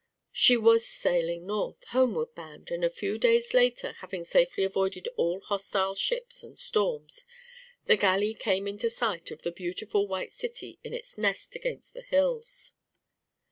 She was sailing north, homeward bound, and a few days later, having safely avoided all hostile ships and storms, the galley came into sight of the beautiful white city in its nest against the hills.